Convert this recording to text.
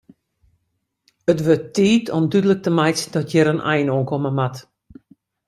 It wurdt tiid om dúdlik te meitsjen dat hjir in ein oan komme moat.